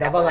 dạ vâng ạ